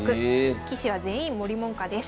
棋士は全員森門下です。